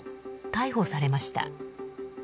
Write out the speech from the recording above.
逮捕されました。